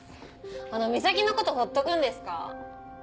あの岬のことほっとくんですか？